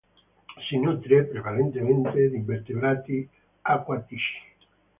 Si nutre prevalentemente di invertebrati acquatici.